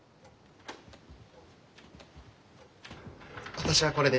私はこれで。